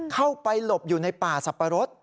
เข้าไปหลบอยู่ในป่าสับปะรด